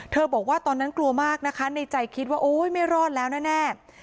บอกว่าตอนนั้นกลัวมากนะคะในใจคิดว่าโอ๊ยไม่รอดแล้วแน่